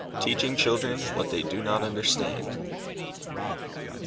TEACHING CHILDREN WHAT THEY DO NOT UNDERSTAND.